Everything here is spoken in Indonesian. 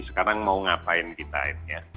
sekarang mau ngapain kita ini ya